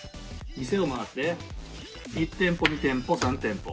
店を回って１店舗、２店舗、３店舗。